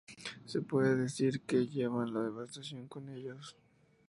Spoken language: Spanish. Se puede decir que llevan la devastación con ellos.